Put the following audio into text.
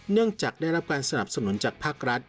เนื่องจากได้รับการสนับสนุนจากภาครัฐ